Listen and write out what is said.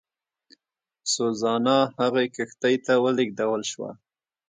سوزانا هغې کښتۍ ته ولېږدول شوه.